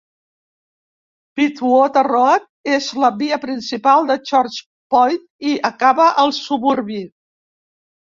Pittwater Road és la via principal de Church Point i acaba al suburbi.